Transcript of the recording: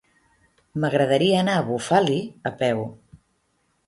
M'agradaria anar a Bufali a peu.